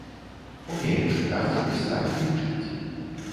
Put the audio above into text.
Умее чытаць, пісаць і лічыць.